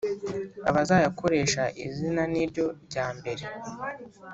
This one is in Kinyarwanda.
abazayakoresha izina ry ‘ niryo rya mbere